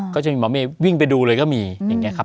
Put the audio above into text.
ก็จะมีหมอเมย์วิ่งไปดูเลยก็มีอย่างนี้ครับ